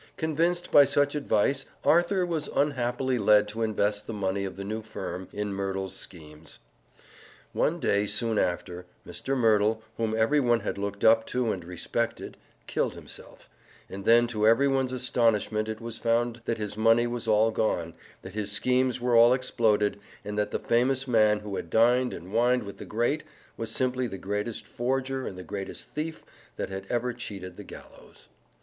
Convinced by such advice Arthur was unhappily led to invest the money of the new firm in Merdle's schemes. One day soon after, Mr. Merdle, whom every one had looked up to and respected, killed himself, and then to every one's astonishment it was found that his money was all gone, that his schemes were all exploded, and that the famous man who had dined and wined with the great was simply the greatest forger and the greatest thief that had ever cheated the gallows.